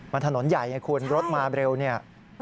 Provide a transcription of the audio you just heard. มันถนนใหญ่ไงคุณรถมาเร็วเนี่ย